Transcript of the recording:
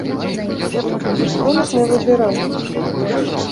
Ніхто нас не выбіраў!